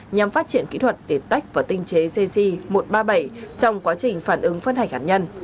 nhằm phát triển kỹ thuật để tách và tinh chế cc một trăm ba mươi bảy trong quá trình phản ứng phân hạch hạt nhân